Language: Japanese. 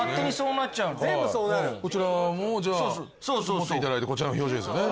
持っていただいてこちらの表情ですね。